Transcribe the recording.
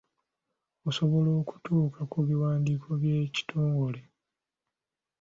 Osobola okutuuka ku biwandiiko by'ekitongole?